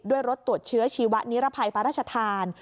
ด้วยรถตรวจเชื้อชีวนิรภัยปรรรชธาน